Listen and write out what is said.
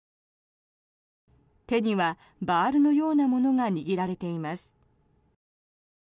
手にはバールのようなものが握られています。